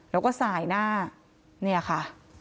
แล้วก็สายหน้าเนี่ยค่ะ